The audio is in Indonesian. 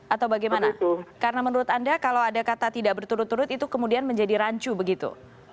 atau bagaimana karena menurut anda kalau ada kata tidak berturut turut itu kemudian menjadi rancu begitu